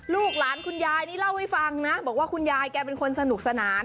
ลูกหลานคุณยายนี่เล่าให้ฟังนะบอกว่าคุณยายแกเป็นคนสนุกสนาน